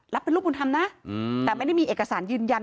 เป็นลูกบุญธรรมนะแต่ไม่ได้มีเอกสารยืนยัน